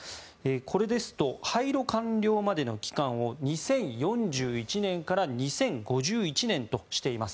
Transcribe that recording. これですと廃炉完了までの期間を２０４１年から２０５１年としています。